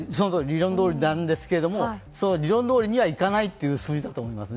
理論どおりなんですけれども、その理論どおりにはいかないということだと思います。